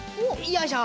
よいしょ。